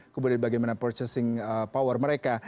kemudian bagaimana purchasing power mereka